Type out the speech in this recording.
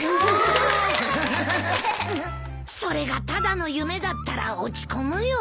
ウフフウフフそれがただの夢だったら落ち込むよ。